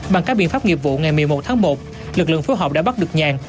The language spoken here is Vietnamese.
bằng các biện pháp nghiệp vụ ngày một mươi một tháng một lực lượng phối hợp đã bắt được nhàn